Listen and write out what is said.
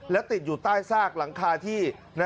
แล้วติดอยู่ใต้ซากหลังคาที่